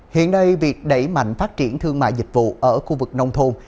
hiện nay việc đẩy mạnh phát triển thương mại dịch vụ ở khu vực nông thôn